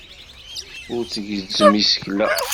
Ur tgezzem isekla.